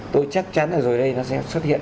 tôi chắc chắn là rồi đây nó sẽ xuất hiện